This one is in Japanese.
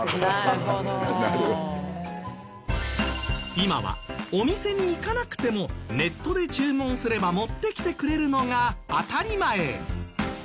今はお店に行かなくてもネットで注文すれば持ってきてくれるのが当たり前。